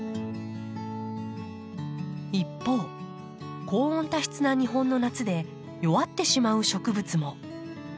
一方高温多湿な日本の夏で弱ってしまう植物も。